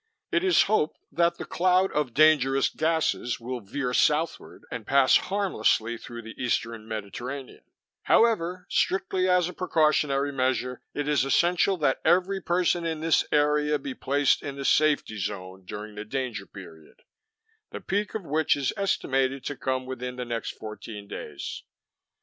It is hoped that the cloud of dangerous gases will veer southward and pass harmlessly through the Eastern Mediterranean; however, strictly as a precautionary measure, it is essential that every person in this area be placed in a safety zone during the danger period, the peak of which is estimated to come within the next fourteen days.